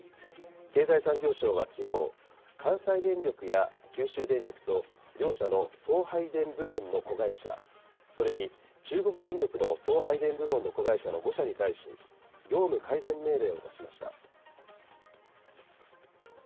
経済産業省はきのう、関西電力や九州電力と、両社の送配電部門の子会社、それに中国電力の送配電部門の子会社の５社に対し、業務改善命令を出しました。